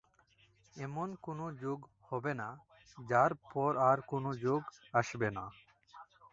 এমন কোন যুগ হবে না যার পর আর কোন যুগ আসবে না।